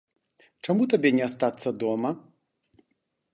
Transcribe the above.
Чаму табе не астацца дома?